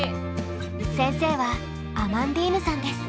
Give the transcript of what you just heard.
先生はアマンディーヌさんです。